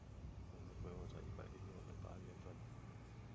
我們規劃在一百零六年八月份